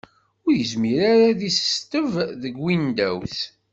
Ur yezmir ara ad isesteb deg Windows.